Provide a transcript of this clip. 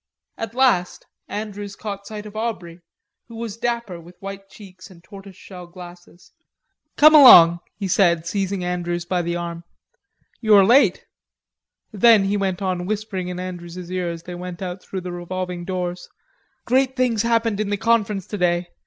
At last Andrews caught sight of Aubrey, who was dapper with white cheeks and tortoise shell glasses. "Come along," he said, seizing Andrews by the arm. "You are late." Then, he went on, whispering in Andrews's ear as they went out through the revolving doors: "Great things happened in the Conference today....